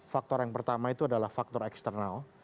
faktor yang pertama itu adalah faktor eksternal